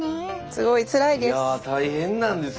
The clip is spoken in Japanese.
すごいつらいです。